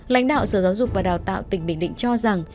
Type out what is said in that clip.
lãnh đạo sở giáo dục và đào tạo tỉnh bình định cho rằng